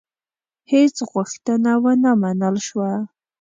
هیڅ غوښتنه ونه منل شوه.